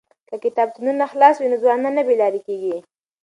که کتابتونونه خلاص وي نو ځوانان نه بې لارې کیږي.